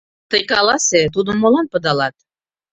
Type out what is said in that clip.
Тый каласе: тудым молан пыдалат?